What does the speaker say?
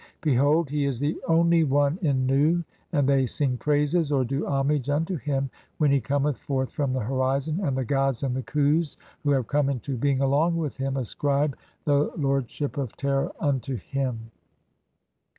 Behold, he is the only One in Nu, "(17) and they sing praises (or do homage) unto him [when] "he cometh forth from the horizon, and the gods and the Khus "who have come into being along with him ascribe [the lord "ship of] terror unto him."